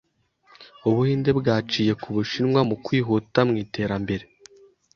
ubuhinde bwaciye ku ubushinwa mu kwihuta mu iterambere.